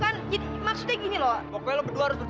ini meja kita pakai aja ya biar bagus